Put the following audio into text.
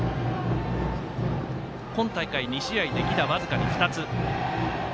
今大会、２試合で犠打、僅かに２つ。